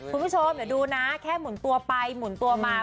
คุณผู้ชมเดี๋ยวดูนะแค่หมุนตัวไปหมุนตัวมา